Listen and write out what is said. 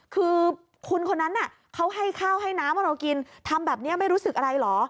คือคุณคนนั้นเขาให้ข้าวให้น้ำให้เรากินทำแบบนี้ไม่รู้สึกอะไรเหรอ